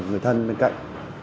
người thân bên cạnh